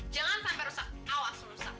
jangan sampai rusak awas rusak